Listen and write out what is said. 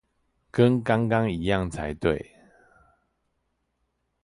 跟剛剛一樣才對